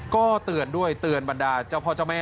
ก็เตือนด้วยเตือนบรรดาเจ้าพ่อเจ้าแม่